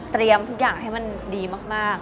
ทุกอย่างให้มันดีมาก